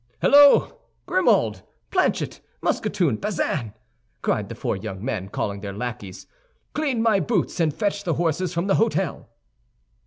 "Hello, Grimaud! Planchet! Mousqueton! Bazin!" cried the four young men, calling their lackeys, "clean my boots, and fetch the horses from the hôtel."